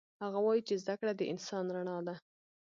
هغه وایي چې زده کړه د انسان رڼا ده